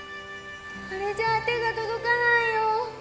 あれじゃあ手がとどかないよ。